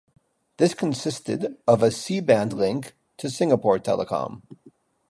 This consisted of a C Band link to Singapore Telecom.